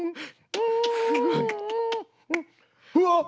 うわっ！